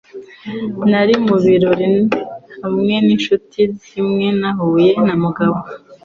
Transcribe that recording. Nari mu birori hamwe ninshuti zimwe nahuye na Mugabo.